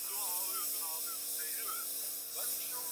kuvuta Waarabu wengi kutoka kwao kuhamia Afrika Kaskazini na Asia